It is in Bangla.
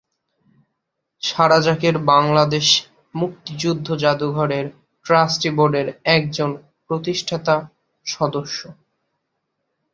সারা যাকের বাংলাদেশ মুক্তিযুদ্ধ যাদুঘরের ট্রাস্টি বোর্ডের একজন প্রতিষ্ঠাতা সদস্য।